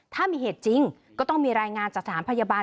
ถ้ามีเหตุจริงก็ต้องมีรายงานจากสถานพยาบาล